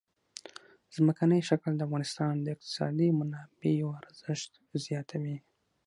ځمکنی شکل د افغانستان د اقتصادي منابعو ارزښت زیاتوي.